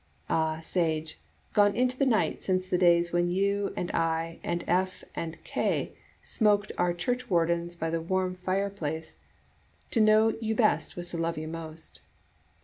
Ah, sage, gone into the night since the days when you and I and F and K smoked our church wardens by the warm fire place, to know you best was to love you most!